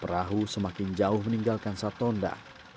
perahu semakin jauh meninggalkan satonda